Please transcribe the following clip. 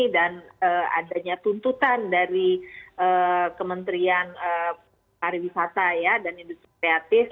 dan adanya tuntutan dari kementerian pariwisata dan industri kreatif